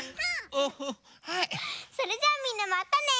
それじゃあみんなまたね！